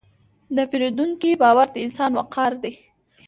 د پیرودونکي باور د انسان وقار دی.